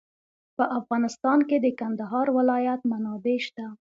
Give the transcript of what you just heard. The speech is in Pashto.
په افغانستان کې د کندهار ولایت منابع شته.